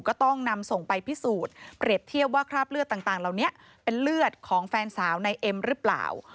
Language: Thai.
ก็ต้องนำส่งไปพิสูจน์เปรียบเทียบว่าคราบเลือดต่างเหล่านี้เป็นเลือดของแฟนสาวในเอ็มหรือเปล่า